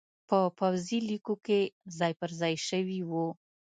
په پوځي لیکو کې ځای پرځای شوي وو